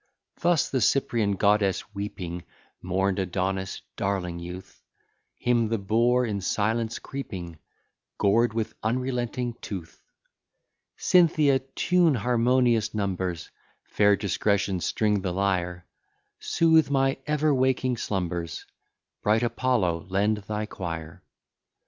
Thus the Cyprian goddess weeping Mourn'd Adonis, darling youth; Him the boar, in silence creeping, Gored with unrelenting tooth. Cynthia, tune harmonious numbers; Fair Discretion, string the lyre; Sooth my ever waking slumbers: Bright Apollo, lend thy choir.